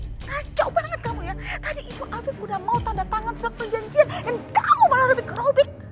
kacau banget kamu ya tadi itu aku udah mau tanda tangan surat perjanjian dan kamu malah lebih kerobik